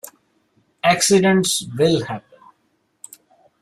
Accidents will happen.